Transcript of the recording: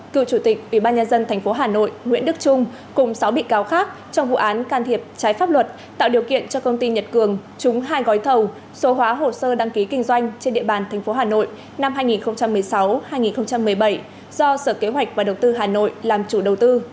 cựu chủ tịch ubnd tp hà nội nguyễn đức trung cùng sáu bị cáo khác trong vụ án can thiệp trái pháp luật tạo điều kiện cho công ty nhật cường trúng hai gói thầu số hóa hồ sơ đăng ký kinh doanh trên địa bàn tp hà nội năm hai nghìn một mươi sáu hai nghìn một mươi bảy do sở kế hoạch và đầu tư hà nội làm chủ đầu tư